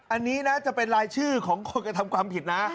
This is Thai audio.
อันนี้นะจะเป็นรายชื่อของคนกระทำความผิดนะ